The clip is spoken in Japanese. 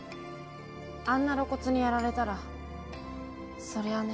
あんな露骨にやられたらそりゃあね。